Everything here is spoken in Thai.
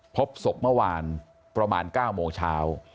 พบศพเมื่อวานประมาณ๙โมงเช้า